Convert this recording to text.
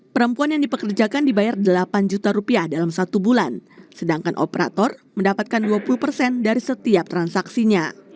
perempuan yang dipekerjakan dibayar delapan juta rupiah dalam satu bulan sedangkan operator mendapatkan dua puluh persen dari setiap transaksinya